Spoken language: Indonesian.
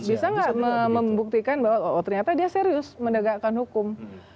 bisa nggak bisa nggak membuktikan bahwa oh ternyata dia serius mendegakkan hukum